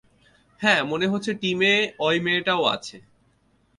হ্যাঁ, মনে হচ্ছে টিমে অই মেয়েটাও আছে।